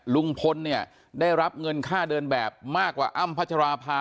ลุงพลเนี่ยได้รับเงินค่าเดินแบบมากกว่าอ้ำพัชราภา